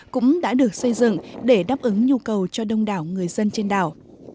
cũng đã được xây dựng để đáp ứng nhu cầu cho đông đảo người dân trên đảo